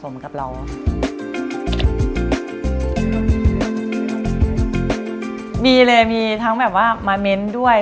มีเลยมีทั้งแบบว่ามาเม้นด้วย